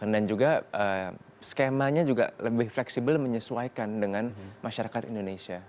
dan juga skemanya juga lebih fleksibel menyesuaikan dengan masyarakat indonesia